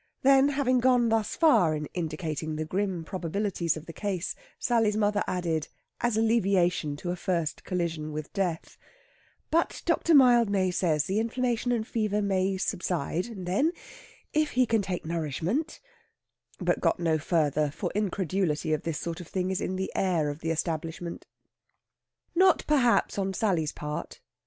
Then, having gone thus far in indicating the grim probabilities of the case, Sally's mother added, as alleviation to a first collision with Death: "But Dr. Mildmay says the inflammation and fever may subside, and then, if he can take nourishment " but got no further, for incredulity of this sort of thing is in the air of the establishment. Not, perhaps, on Sally's part.